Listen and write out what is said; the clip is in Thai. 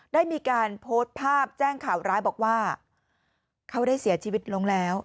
ได้มีการโพสต์ภาพแจ้งข่าวร้ายบอกว่าเขาได้เสียชีวิตลงแล้ว